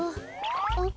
あっ？